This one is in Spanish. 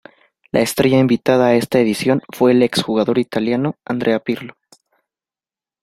La estrella invitada a esta edición fue el ex-jugador italiano Andrea Pirlo.